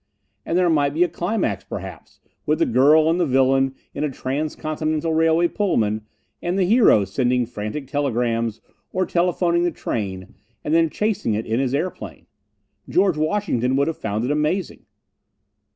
And there might be a climax, perhaps, with the girl and the villain in a transcontinental railway Pullman, and the hero sending frantic telegrams, or telephoning the train, and then chasing it in his airplane. George Washington would have found it amazing!